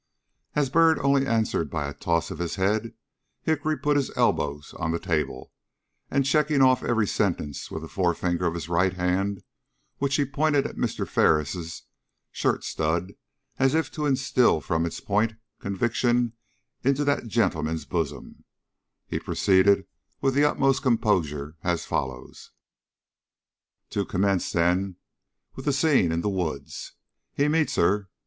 As Byrd only answered by a toss of his head, Hickory put his elbows on the table, and checking off every sentence with the forefinger of his right hand, which he pointed at Mr. Ferris' shirt stud, as if to instil from its point conviction into that gentleman's bosom, he proceeded with the utmost composure as follows: "To commence, then, with the scene in the woods. He meets her.